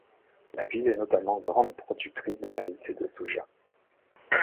La ville est notamment grande productrice de maïs et de soja.